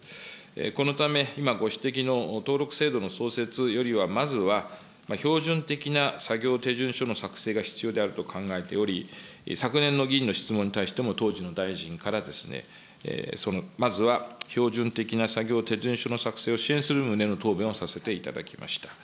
このため、今ご指摘の登録制度の創設よりは、まずは、標準的な作業手順書の作成が必要であると考えており、昨年の議員の質問に対しても、当時の大臣からその、まずは標準的な作業手順書の作成を支援する旨の答弁をさせていただきました。